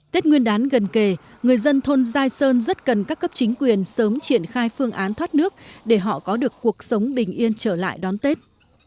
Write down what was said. tết nguyên đán gần kề người dân thôn giai sơn rất cần các cấp chính quyền sớm triển khai phương án thoát nước để họ có được cuộc sống bình yên trở lại đón tết